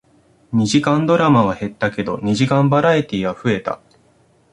二時間ドラマは減ったけど、二時間バラエティーは増えた